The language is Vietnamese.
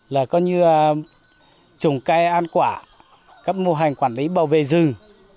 là coi như trùng cây an quả các mô hình quản lý bảo vệ rừng